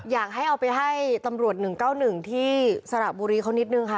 อยากให้เอาไปให้ตำรวจ๑๙๑ที่สระบุรีเขานิดนึงค่ะ